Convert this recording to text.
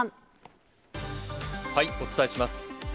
お伝えします。